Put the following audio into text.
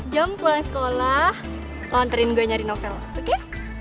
jam pulang sekolah lo ntarin gue nyari novel oke